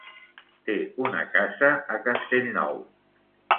Té una casa a Castellnou.